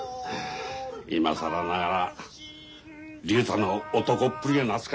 今更ながら竜太の男っぷりが懐かしいや。